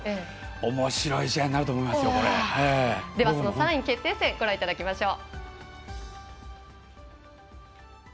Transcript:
おもしろい試合になるとでは、その３位決定戦ご覧いただきましょう。